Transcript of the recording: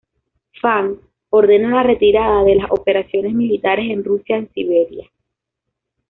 Fang ordena la retirada de las operaciones militares en Rusia en Siberia.